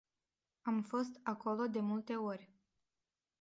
Am fost acolo de multe ori.